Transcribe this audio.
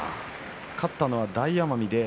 勝ったのは大奄美。